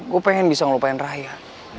gue pengen bisa ngelupain raya